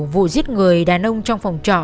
vụ giết người đàn ông trong phòng trọ